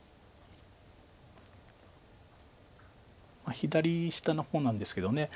左下の方なんですけど。